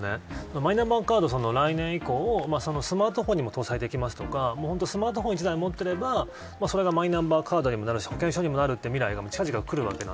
マイナンバーカードは、来年以降スマートホンにも搭載できますとかスマートフォンを持っていればマイナンバーカードにもなるし保険証にもなるという未来が近々きます。